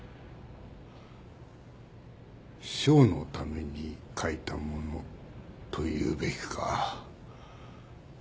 賞のために書いたものというべきか。